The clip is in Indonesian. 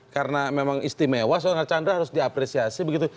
karena memang istimewa soal archandra harus diapresiasi begitu